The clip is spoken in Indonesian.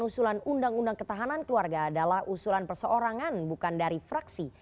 usulan undang undang ketahanan keluarga adalah usulan perseorangan bukan dari fraksi